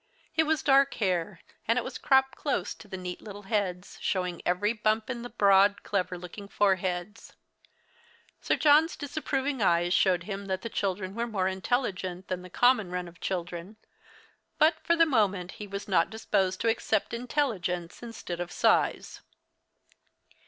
It was dark hair, and it was cropped close to the neat little heads, showing every bump in the broad, clever looking foreheads. Sir John's disapproving eyes showed him that the children were more intelligent than the common run of children; but for the moment he was not disposed to accept intelligence instead of size.